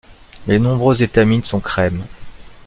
Les nombreuses étamines sont crème.